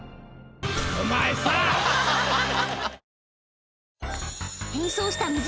お前さあ！